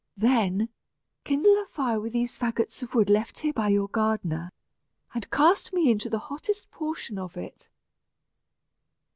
Then, kindle a fire with these fagots of wood left here by your gardener, and cast me into the hottest portion of it."